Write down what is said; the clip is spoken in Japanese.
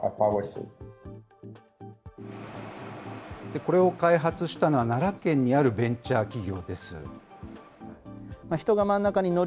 これを開発したのは、奈良県にあるベンチャー企業です。